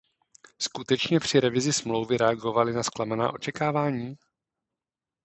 Skutečně při revizi Smlouvy reagovaly na zklamaná očekávání?